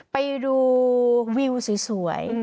ไปดูวิวสวย